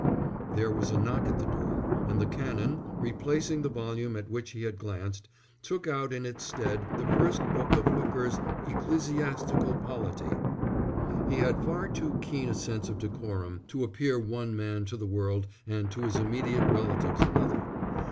There was a knock at the door, and the Canon, replacing the volume at which he had glanced, took out in its stead the first book of Hooker's Ecclesiastical Polity. He had far too keen a sense of decorum to appear one man to the world and to his immediate relatives another.